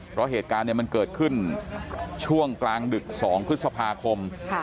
เพราะเหตุการณ์มันเกิดขึ้นช่วงกลางดึก๒พฤษภาคม